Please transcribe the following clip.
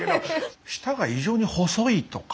舌が異常に細いとか。